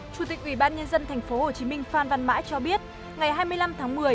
chủ tịch ubnd tp hcm phan văn mãi cho biết ngày hai mươi năm tháng một mươi